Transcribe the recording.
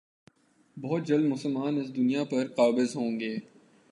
بہت جلد مسلمان اس دنیا پر قابض ہوں گے